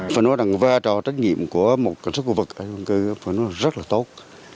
phải nói rằng vai trò trách nhiệm của một cảnh sát khu vực ở khu dân cư phải nói là rất là tốt